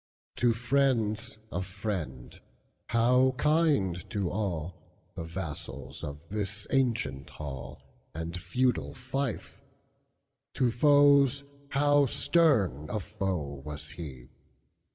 To friends a friend; how kind to allThe vassals of this ancient hallAnd feudal fief! To foes how stern a foe was he!